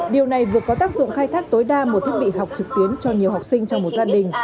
điều này vừa có tác dụng khai thác tối đa một thiết bị học trực tuyến cho nhiều học sinh trong một gia đình